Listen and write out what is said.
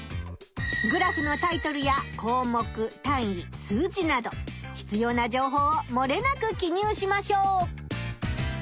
グラフのタイトルやこうもく単位数字などひつような情報をもれなく記入しましょう！